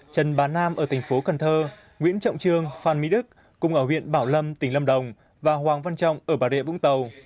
trần bán nam ở thành phố cần thơ nguyễn trọng trương phan mỹ đức cùng ở huyện bảo lâm tỉnh lâm đồng và hoàng văn trọng ở bà rịa vũng tàu